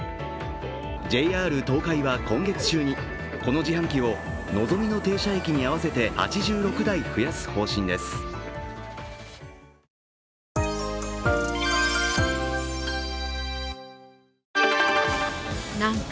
ＪＲ東海は今月中にこの自販機をのぞみの停車駅に合わせて８６台増やす方向ですなんか